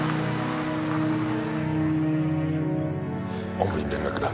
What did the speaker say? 本部に連絡だ。